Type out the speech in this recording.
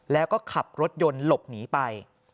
แล้วก็ขับรถยนต์หลบหนีไป